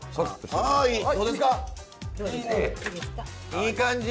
いい感じ。